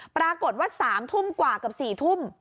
ปรากฏว่า๓ทุ่มกว่ากับ๔ทุ่ม